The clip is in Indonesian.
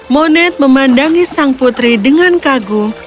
moned memandangi sang putri dengan kagum